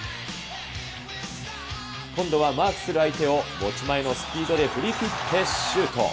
今度はマークする相手を持ち前のスピードで振りきってシュート。